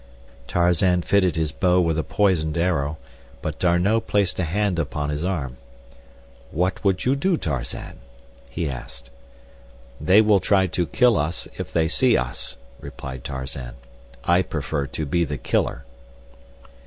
Tarzan fitted his bow with a poisoned arrow, but D'Arnot placed a hand upon his arm. "What would you do, Tarzan?" he asked. "They will try to kill us if they see us," replied Tarzan. "I prefer to be the killer."